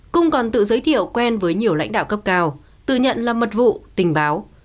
cung còn tự giới thiệu quen với nhiều lãnh đạo cấp cao tự nhận là mật vụ tình báo